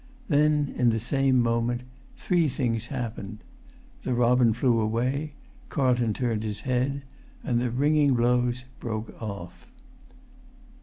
Then, in the same moment, three things happened. The robin flew away, Carlton turned his head, and the ringing blows broke off.